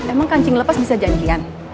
emang kancing lepas bisa janjian